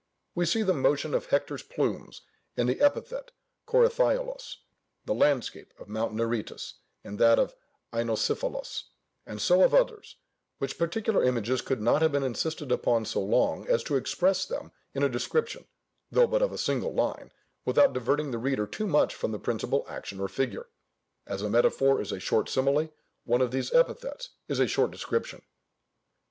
We see the motion of Hector's plumes in the epithet Κορυθαίολος, the landscape of Mount Neritus in that of Εἰνοσίφυλλος, and so of others, which particular images could not have been insisted upon so long as to express them in a description (though but of a single line) without diverting the reader too much from the principal action or figure. As a metaphor is a short simile, one of these epithets is a short description.